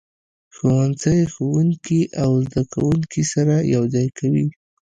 ښوونځی ښوونکي او زده کوونکي سره یو ځای کوي.